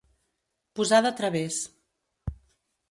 Posar de través.